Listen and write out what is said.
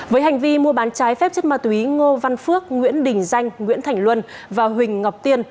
với hành vi mua bán trái phép chất ma túy ngô văn phước nguyễn đình danh nguyễn thành luân và huỳnh ngọc tiên